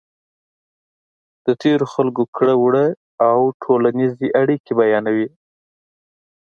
د تېرو خلکو کړو وړه او ټولنیزې اړیکې بیانوي.